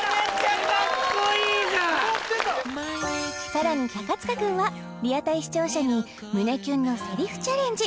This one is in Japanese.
さらに塚君はリアタイ視聴者に胸キュンのセリフチャレンジＯＫ！